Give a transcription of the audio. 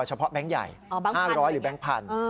เฉพาะแบงค์ใหญ่๕๐๐หรือแบงค์พันธุ์